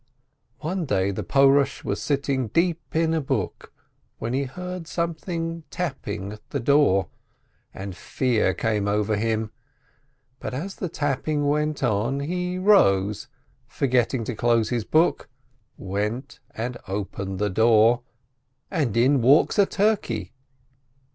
One day the Porosb was sitting deep in a book, when be beard somefliing tapping at the door, and fear came over him. But as the tapping went on, be rose, forget ting to dose bis book, went and opened the door — and in walks a turkey.